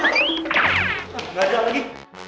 enggak ada lagi